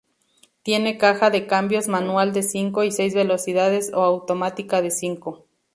Tiene caja de cambios manual de cinco y seis velocidades o automática de cinco.